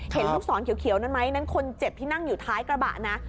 เห็นลูกศรเขียวนั้นไหมนั่นคนเจ็บที่นั่งอยู่ท้ายกระบะนะ